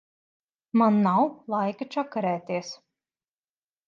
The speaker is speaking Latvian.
Man nav laika čakarēties.